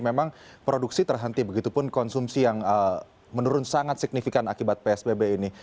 memang produksi terhenti begitu pun konsumsi yang menurun sangat signifikan akibat psbb ini